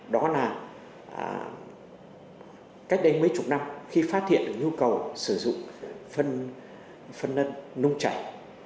đó là cách đây mấy chục năm khi phát hiện nhu cầu sử dụng phân nân nông chảy